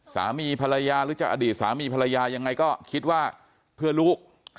สามีภรรยาหรือจะอดีตสามีภรรยายังไงก็คิดว่าเพื่อลูก